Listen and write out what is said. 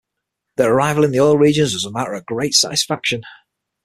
Their arrival in the oil regions was a matter of great satisfaction.